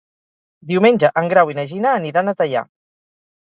Diumenge en Grau i na Gina aniran a Teià.